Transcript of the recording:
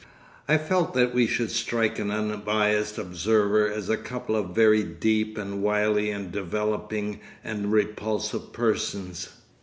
I felt that we should strike an unbiased observer as a couple of very deep and wily and developing and repulsive persons.